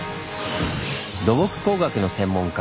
土木工学の専門家